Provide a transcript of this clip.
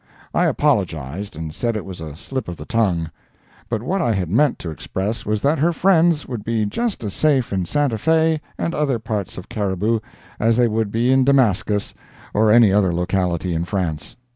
I apologized, and said it was a slip of the tongue—but what I had meant to express was that her friends would be just as safe in Santa Fe and other parts of Cariboo as they would be in Damascus, or any other locality in France.